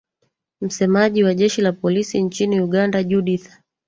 msemaji wa jeshi la polisi nchini uganda judith